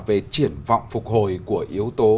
về triển vọng phục hồi của yếu tố